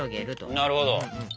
なるほど。